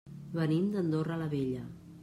Venim d'Andorra la Vella.